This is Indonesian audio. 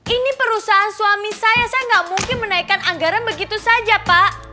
ini perusahaan suami saya saya nggak mungkin menaikkan anggaran begitu saja pak